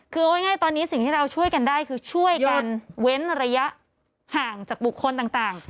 คือเอาง่ายตอนนี้สิ่งที่เราช่วยกันได้คือช่วยกันเว้นระยะห่างจากบุคคลต่าง